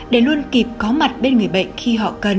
để luôn kịp có mặt bên người bệnh khi họ cần